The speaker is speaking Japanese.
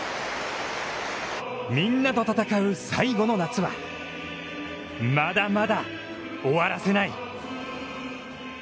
みんなと戦う最後の夏は、まだまだ、終わらせない！